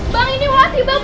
bang ini kuati bang